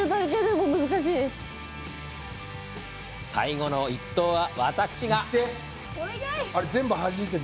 最後の１投は、私が。